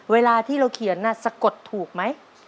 เวลาที่เราเขียนสะกดถูกไหม